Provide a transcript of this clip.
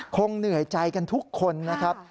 คงเหนื่อยใจกันทุกคนนะครับ